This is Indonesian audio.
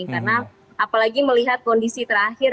karena apalagi melihat kondisi terakhir